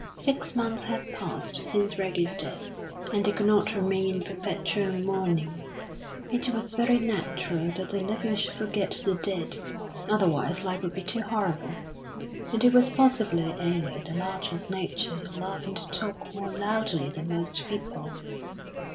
Six months had passed since Reggie's death, and they could not remain in perpetual mourning. It was very natural that the living should forget the dead, otherwise life would be too horrible; and it was possibly only the Larchers' nature to laugh and to talk more loudly than most people.